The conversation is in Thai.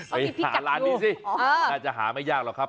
ไปหาร้านนี้สิน่าจะหาไม่ยากหรอกครับ